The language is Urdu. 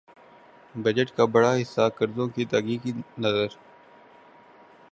بجٹ کا بڑا حصہ قرضوں کی ادائیگی کی نذر